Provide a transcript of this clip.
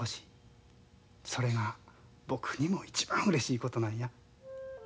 それが僕にも一番うれしいことなんや。